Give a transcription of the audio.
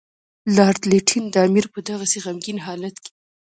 لارډ لیټن د امیر په دغسې غمګین حالت کې.